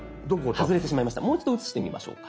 もう一度写してみましょうか。